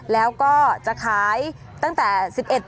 แล้วก็จะขายตั้งแต่๑๑